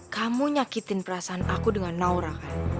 kamu nyakitin perasaan aku dengan naora kan